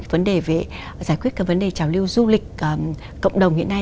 vấn đề về giải quyết các vấn đề trào lưu du lịch cộng đồng hiện nay